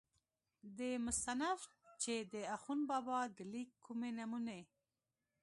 دې مصنف چې دَاخون بابا دَليک کومې نمونې